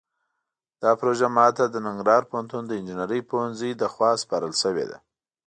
دا پروژه ماته د ننګرهار پوهنتون د انجنیرۍ پوهنځۍ لخوا سپارل شوې ده